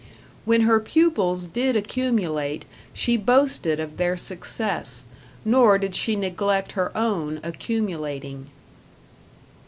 When her pupils did accumulate, she boasted of their success; nor did she neglect her own accumulating.